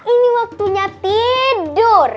ini waktunya tidur